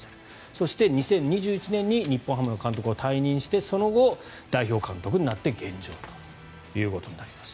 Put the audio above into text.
そして、２０２１年に日本ハムの監督を退任してその後、代表監督になって現状となります。